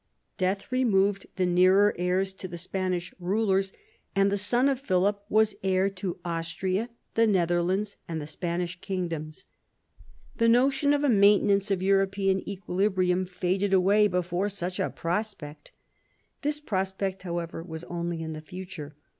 Death removed the nearer heirs to the Spanish rulers, and the son of Philip was heir to Austria, the Netherlands, and the Spanish kingdoms. The notion of a maintenance 8 THOMAS WOLSEY ohap. of European equilibrium faded away before such a prospect This prospect, however, was only in the future.